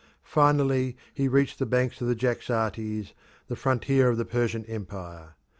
Finally he reached the banks of the Jaxartes, the frontier of the Persian empire.